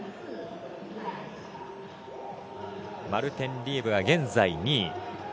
マルテン・リーブが現在２位。